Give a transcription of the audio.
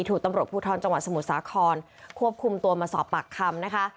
ถูกตำรวจภูทรจังหวัดสมุทรสาครควบคุมตัวมาสอบปากคำนะคะ